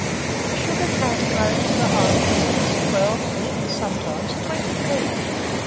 The sugarcane grows to the height of six, twelve, or even sometimes twenty feet.